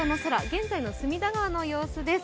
現在の隅田川の様子です。